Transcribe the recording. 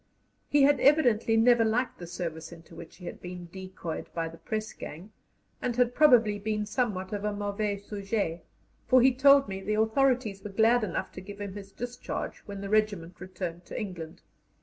He had evidently never liked the service into which he had been decoyed by the press gang, and had probably been somewhat of a mauvais sujet, for he told me the authorities were glad enough to give him his discharge when the regiment returned to England.